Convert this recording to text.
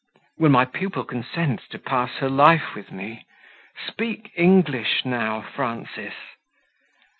"Will my pupil consent to pass her life with me? Speak English now, Frances."